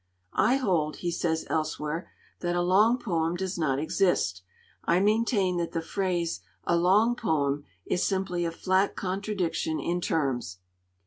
'I hold,' he says elsewhere, 'that a long poem does not exist. I maintain that the phrase, "a long poem," is simply a flat contradiction in terms.'